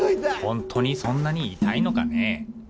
本当にそんなに痛いのかねえ。